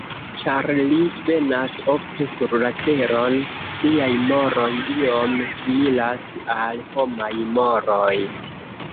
Ĉar li venas ofte sur la Teron, liaj moroj iom similas al homaj moroj.